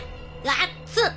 あっつ！